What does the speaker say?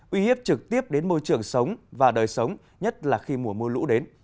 uy hiếp trực tiếp đến môi trường sống và đời sống nhất là khi mùa mưa lũ đến